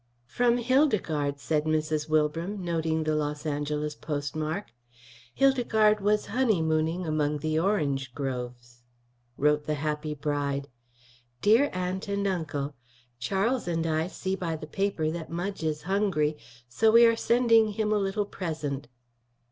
"From Hildegarde," said Mrs. Wilbram, noting the Los Angeles postmark. Hildegarde was honeymooning among the orange groves. Wrote the happy bride: Dear Aunt and Uncle: Charles and I see by the paper that Mudge is hungry, so we are sending him a little present.